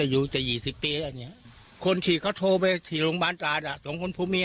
อยู่ตรงนี้มานานแน่